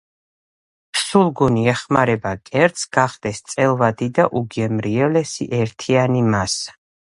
სულგუნი ეხმარება კერძს გახდეს წელვადი და უგემრიელესი ერთიანი მასა.